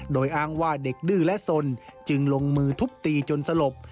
โดยอ้างว่าเด็กดื้อและสนจึงลงมือทุบตีจนสลบ